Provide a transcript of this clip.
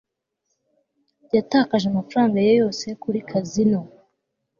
yatakaje amafaranga ye yose kuri kazino